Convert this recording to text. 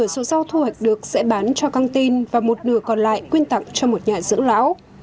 số rau thu hoạch được sẽ bán cho căng tin và một nửa còn lại quyên tặng cho một nhà dưỡng lão